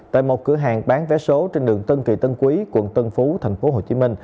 tại một cửa hàng bán vé số trên đường tân kỳ tân quý quận tân phú tp hcm